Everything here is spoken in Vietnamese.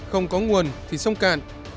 không có nguồn thì sông cạn